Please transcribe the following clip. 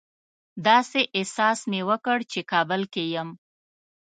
داسې احساس مې وکړ چې کابل کې یم.